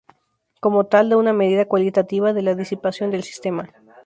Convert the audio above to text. Como tal, da una medida cualitativa de la disipación del sistema.